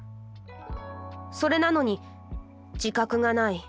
それなのに自覚がない。